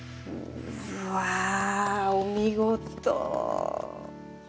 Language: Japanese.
うわお見事。